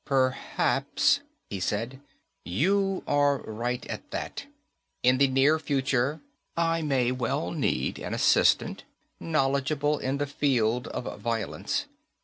"Perhaps," he said, "you are right at that. In the near future, I may well need an assistant knowledgeable in the field of violence.